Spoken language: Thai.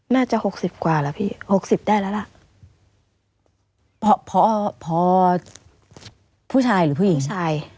หกสิบกว่าแล้วพี่หกสิบได้แล้วล่ะพอพอผู้ชายหรือผู้หญิงผู้ชาย